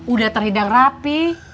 udah terhidang rapi